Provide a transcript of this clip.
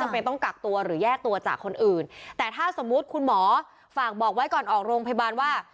จำเป็นต้องกักตัวหรือแยกตัวจากคนอื่นแต่ถ้าสมมุติคุณหมอฝากบอกไว้ก่อนออกโรงพยาบาลว่า